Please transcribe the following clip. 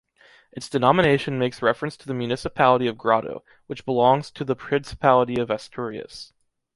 Its denomination makes reference to the municipality of Grado, which belongs to the Principality of Asturias.